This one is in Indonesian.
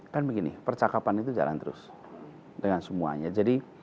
kan begini percakapan itu jalan terus dengan semuanya